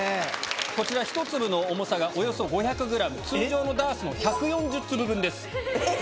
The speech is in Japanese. こちら、１粒の重さがおよそ５００グラム、通常のダースの１４０粒分です。